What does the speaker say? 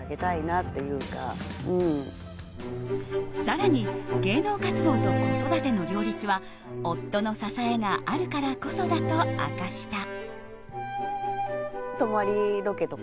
更に、芸能活動と子育ての両立は夫の支えがあるからこそだと明かした。